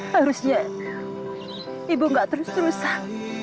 harusnya ibu gak terus terusan